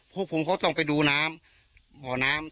พวกผมก็ต้องไปดูน้ำบ่อน้ำ